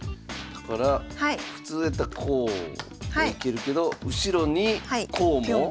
だから普通やったらこう行けるけど後ろにこうも？